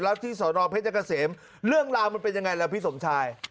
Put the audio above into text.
แล้วที่สอนอเพชรเกษมเรื่องราวมันเป็นยังไงล่ะพี่สมชาย